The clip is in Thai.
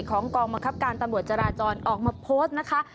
กองบังคับการตำรวจจราจรออกมาโพสต์นะคะ